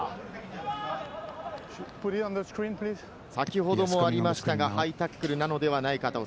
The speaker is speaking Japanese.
先ほどもありました、ハイタックルなのではないか。